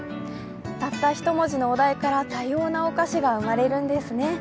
たった一文字のお題から多様なお菓子が生まれるんですね。